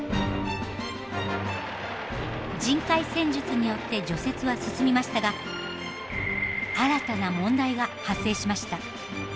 人海戦術によって除雪は進みましたが新たな問題が発生しました。